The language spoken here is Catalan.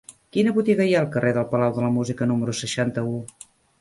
Quina botiga hi ha al carrer del Palau de la Música número seixanta-u?